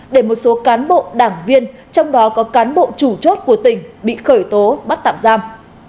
để một số cán bộ đảng viên trong đó có cán bộ chủ chốt của tỉnh bị khởi tố bắt tạm giam